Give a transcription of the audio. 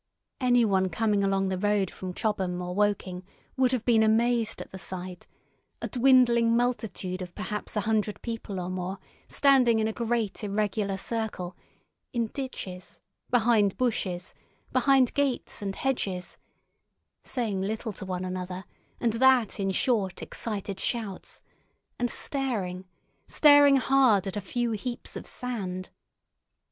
Anyone coming along the road from Chobham or Woking would have been amazed at the sight—a dwindling multitude of perhaps a hundred people or more standing in a great irregular circle, in ditches, behind bushes, behind gates and hedges, saying little to one another and that in short, excited shouts, and staring, staring hard at a few heaps of sand.